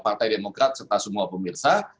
partai demokrat serta semua pemirsa